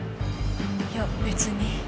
いや別に。